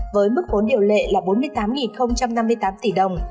với mức vốn điều lệ là bốn mươi tám năm mươi tám tỷ đồng